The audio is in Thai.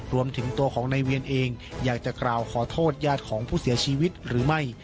รวมถึงตัวของนายเวียนเองอยากจะกล่าวขอโทษญาติของผู้เสียชีวิตหรือไม่